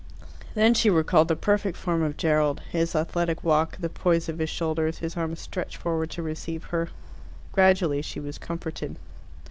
Then she recalled the perfect form of Gerald, his athletic walk, the poise of his shoulders, his arms stretched forward to receive her. Gradually she was comforted.